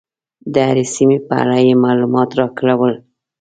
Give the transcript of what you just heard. د هرې سیمې په اړه یې معلومات راکول.